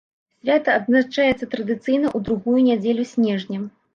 Свята адзначаецца традыцыйна ў другую нядзелю снежня.